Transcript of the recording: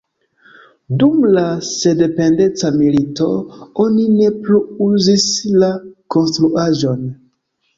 Dum la sendependeca milito oni ne plu uzis la konstruaĵon.